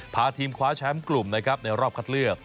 พาทีมคว้าแชมป์กลุ่มนะครับในรอบคัดเลือก